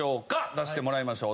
出してもらいましょう。